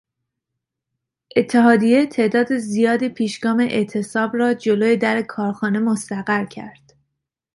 اتحادیه تعداد زیادی پیشگام اعتصاب را جلو در کارخانه مستقر کرد.